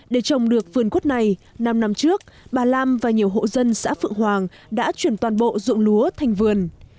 để trồng được vườn quất này năm năm trước bà lam và nhiều hộ dân xã phượng hoàng đã chuyển toàn bộ dụng lúa thành vườn